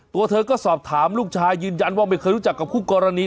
ตัวเธอก็สอบถามลูกชายยืนยันว่าไม่เคยรู้จักกับคู่กรณี